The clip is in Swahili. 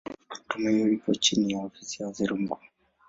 Tume hii ipo chini ya Ofisi ya Waziri Mkuu.